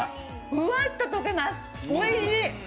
ふわっと溶けます、おいしい。